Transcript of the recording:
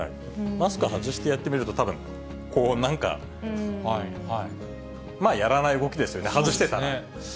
マスク外してやってみると、たぶんこうなんか、やらない動きですよね、外してたら。